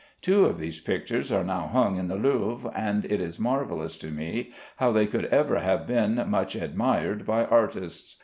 Two of these pictures are now hung in the Louvre, and it is marvellous to me how they could ever have been much admired by artists.